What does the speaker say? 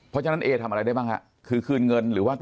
เพราะฉะนั้นเอทำอะไรได้บ้างฮะคือคืนเงินหรือว่า